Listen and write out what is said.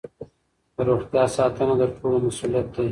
د روغتیا ساتنه د ټولو مسؤلیت دی.